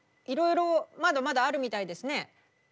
いろいろまだまだあるみたいですね。